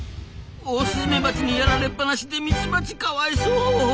オオスズメバチにやられっぱなしでミツバチかわいそう。